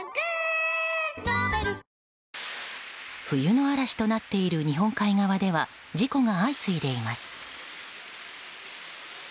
冬の嵐となっている日本海側では事故が相次いでいます。